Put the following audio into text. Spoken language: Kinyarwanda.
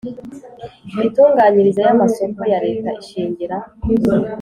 Imitunganyirize y amasoko ya Leta ishingira